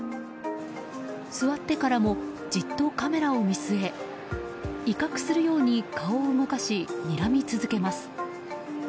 座ってからもじっとカメラを見据え威嚇するように顔を動かしにらみ続けます。